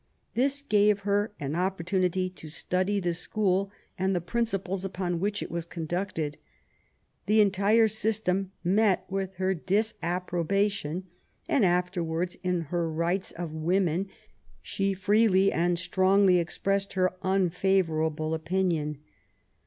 This gave her an opportunity to study the school and the principles upon which it was conducted. The entire system met with her disapprobation^ and afterwards, in her Rights of Women, she freely and strongly expressed her unfavourable opinion.